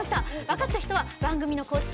分かった人は番組の公式